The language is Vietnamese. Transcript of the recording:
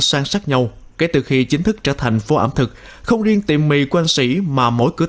sang sát nhau kể từ khi chính thức trở thành phố ẩm thực không riêng tiệm mì của anh sĩ mà mỗi cửa